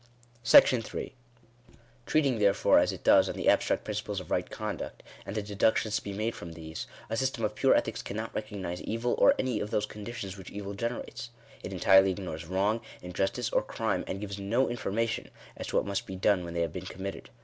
§3. Treating therefore as it does on the abstract principles of right conduct, and the deductions to be made from these, a system of pure ethics cannot recognise evil, or any of those conditions which evil generates. It entirely ignores wrong, injustice, or crime, and gives no information as to what must be done when they have been committed.